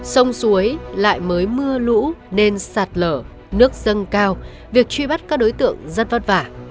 sông suối lại mới mưa lũ nên sạt lở nước dâng cao việc truy bắt các đối tượng rất vất vả